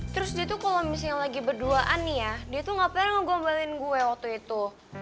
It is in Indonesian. terus dia tuh kalau misalnya lagi berduaan nih ya dia tuh gak pernah ngegombalin gue waktu itu